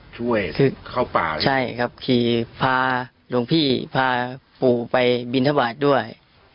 ช่วยซื้อเข้าป่าใช่ครับขี่พาหลวงพี่พาปู่ไปบินทบาทด้วย